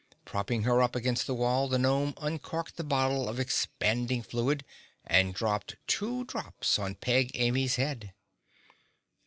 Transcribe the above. Propping her up against the wall, the gnome uncorked the bottle of expanding fluid and dropped two drops on Peg Amy's head.